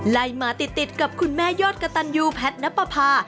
ไล่มาติดกับคุณแม่ยอดกระตันยูแพทย์นับประพา